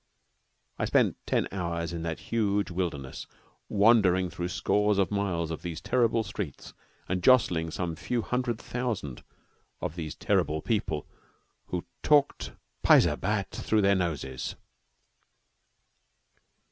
I spent ten hours in that huge wilderness, wandering through scores of miles of these terrible streets and jostling some few hundred thousand of these terrible people who talked paisa bat through their noses.